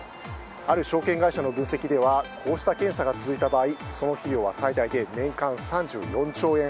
ある証券会社の分析ではこうした検査が続いた場合その費用は最大で年間３４兆円。